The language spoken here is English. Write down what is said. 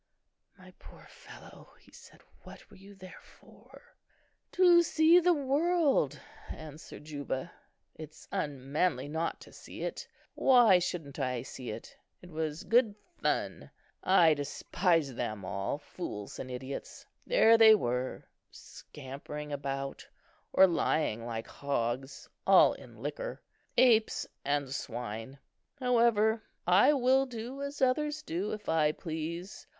"My poor fellow," he said, "what were you there for?" "To see the world," answered Juba; "it's unmanly not to see it. Why shouldn't I see it? It was good fun. I despise them all, fools and idiots. There they were, scampering about, or lying like hogs, all in liquor. Apes and swine! However, I will do as others do, if I please.